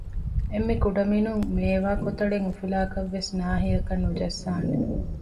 އެންމެ ކުޑަމިނުން މޭވާ ކޮތަޅެއް އުފުލާކަށް ވެސް ނާހިއަކަށް ނުޖައްސާނެ